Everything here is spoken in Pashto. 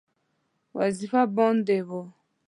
وظیفه باندې وو.